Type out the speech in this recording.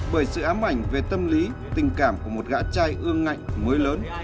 bởi sự ám ảnh về tâm lý tình cảm của một gã trai ương ngạnh mới lớn